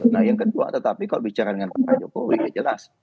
nah yang kedua tetapi kalau bicara dengan pak jokowi ya jelas